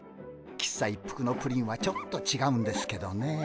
喫茶一服のプリンはちょっとちがうんですけどねえ。